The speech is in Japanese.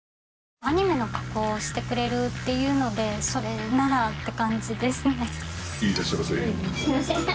アニメの加工をしてくれるっていうのでそれならって感じですね。